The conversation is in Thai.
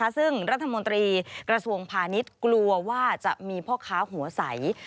ซึ่งรัฐมนตรีกระทรวงพาณิชย์กลัวว่าจะมีพ่อค้าหัวใส